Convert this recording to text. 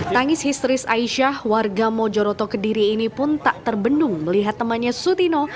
tangis histeris aisyah warga mojoroto kediri ini pun tak terbendung melihat temannya sutino